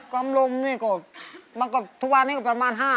ปั๊มลมนี่ก็ทุกวันนี่ก็ประมาณ